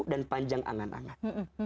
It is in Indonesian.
dan panjang angan angan